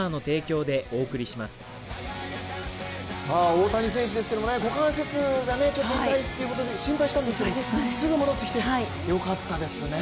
大谷選手ですけども股関節がちょっと痛いということで心配したんですけれどもすぐ戻ってきて、よかったですね。